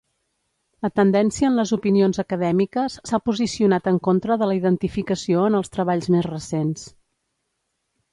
La tendència en les opinions acadèmiques s'ha posicionat en contra de la identificació en els treballs més recents.